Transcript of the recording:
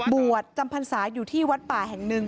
บวชจำพรรษาอยู่ที่วัดป่าแห่งหนึ่ง